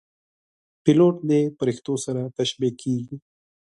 پیلوټ د پرښتو سره تشبیه کېږي.